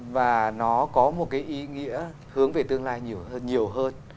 và nó có một cái ý nghĩa hướng về tương lai nhiều hơn